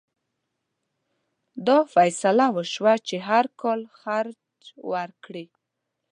دا فیصله وشوه چې هر کال خراج ورکړي.